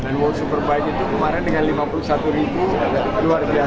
dan world superbike itu kemarin dengan lima puluh satu luar biasa